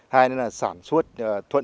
hai là sản xuất thuận